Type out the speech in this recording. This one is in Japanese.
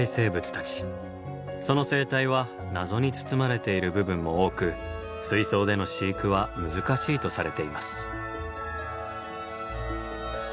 その生態は謎に包まれている部分も多く水槽での飼育は難しいとされています。